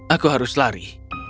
aku harus lari